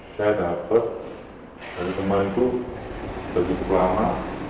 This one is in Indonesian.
saya dapat dari kemarin itu sudah cukup lama